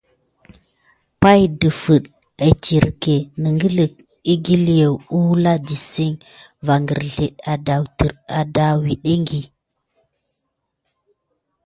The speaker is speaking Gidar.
Pay ɗəfiŋ agəte titiré naku negəlke ikil kulan va kirzel adawuteki va.